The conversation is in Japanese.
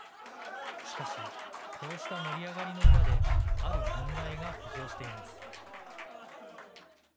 しかしこうした盛り上がりの裏である問題が浮上しています。